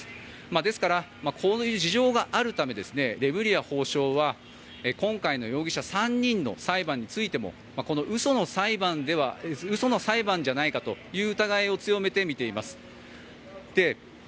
ですからこういう事情があるためレムリヤ法相は今回の容疑者３人の裁判についても嘘の裁判じゃないかという疑いを強めて、見ています。